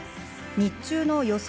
日中の予想